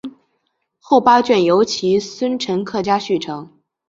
后八卷由其孙陈克家续成。